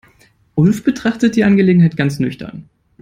Ulf betrachtet die Angelegenheit ganz nüchtern.